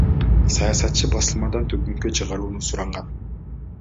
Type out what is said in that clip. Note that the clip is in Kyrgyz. Саясатчы басылмадан төгүнгө чыгарууну суранган.